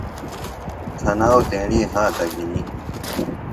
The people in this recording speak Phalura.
تھناوۡ تیݨی ہاتہ گِھینیۡ